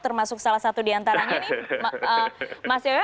termasuk salah satu diantaranya